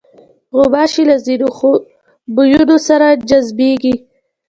غوماشې له ځینو بویونو سره جذبېږي.